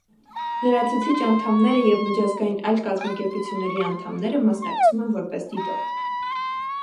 Լրացուցիչ անդամները և միջազգային այլ կազմակերպությունների անդամները մասնակցում են որպես դիտորդ։